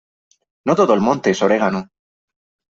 No todo el monte es orégano.